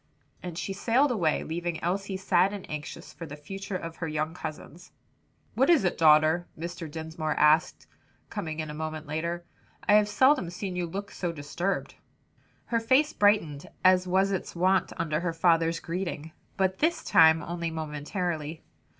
And she sailed away, leaving Elsie sad and anxious for the future of her young cousins. "What is it, daughter?" Mr. Dinsmore asked, coming in a moment later. "I have seldom seen you look so disturbed." Her face brightened, as was its wont under her father's greeting, but, this time, only momentarily.